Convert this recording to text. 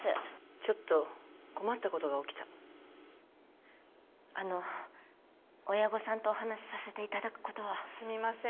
ちょっと困ったことが起きたあの親御さんとお話しさせていただくことはすみません